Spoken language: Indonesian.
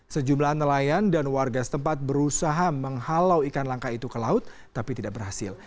sejumlah nelayan dan warga setempat berusaha menghalau ikan langka itu ke laut tapi tidak berhasil